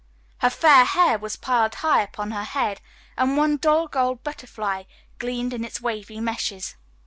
Her fair hair was piled high upon her head, and one dull gold butterfly gleamed in its wavy meshes.